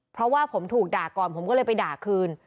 เพราะว่าผมถูกด่าก่อนผมก็เลยไปด่าคืน